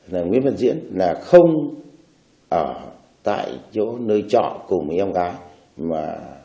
là nguyễn văn diễn là không ở tại chỗ nơi trọ cùng với em gái mà